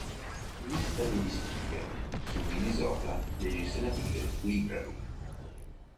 Lista degli speaker su Minnesota Legislative Library